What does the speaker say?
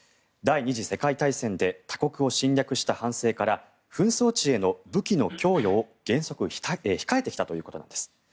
第２次世界大戦で他国を侵略した反省から紛争地への武器の供与を原則控えてきたということなんです。